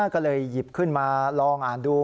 ก็เลยหยิบขึ้นมาลองอ่านดู